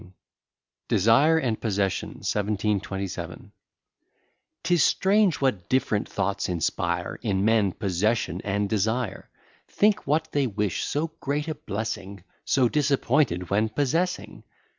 ] DESIRE AND POSSESSION 1727 'Tis strange what different thoughts inspire In men, Possession and Desire! Think what they wish so great a blessing; So disappointed when possessing!